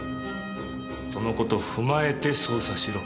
そのことを踏まえて捜査しろ。